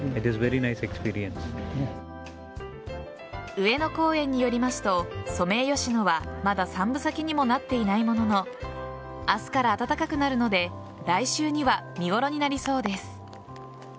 上野公園によりますとソメイヨシノはまだ三分咲きにもなっていないものの明日から暖かくなるので来週には見頃になりそうです。